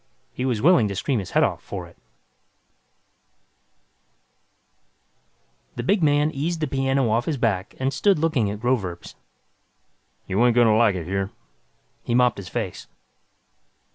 He was willing to scream his head off for it! QUIET PLEASE By KEVIN SCOTT The big man eased the piano off his back and stood looking at Groverzb. "You ain't gonna like it here." He mopped his face.